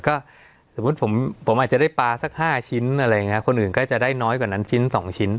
ก็สมมุติผมอาจจะได้ปลาสัก๕ชิ้นอะไรอย่างนี้คนอื่นก็จะได้น้อยกว่านั้นชิ้น๒ชิ้น